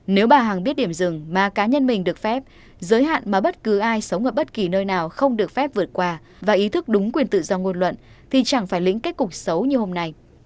nếu bà hằng biết điểm rừng mà cá nhân mình được phép giới hạn mà bất cứ ai sống ở bất kỳ nơi nào không được phép vượt qua và ý thức đúng quyền tự do ngôn luận thì chẳng phải lĩnh kết cục xấu như hôm nay